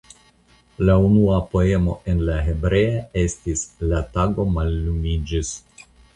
La unua poemo en la hebrea estis "La tago mallumiĝis.